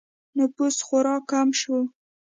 نفوس خورا کم شو